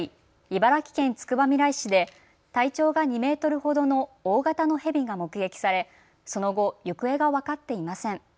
茨城県つくばみらい市で体長が２メートルほどの大型のヘビが目撃され、その後行方が分かっていません。